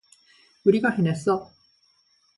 우리가 해냈어.